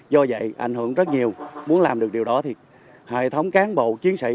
do vậy ảnh hưởng rất nhiều muốn làm được điều đó thì hệ thống cán bộ chiến sĩ